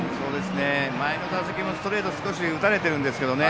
前の打席もストレートを打たれてるんですけどね。